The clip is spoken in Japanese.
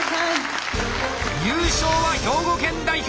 優勝は兵庫県代表！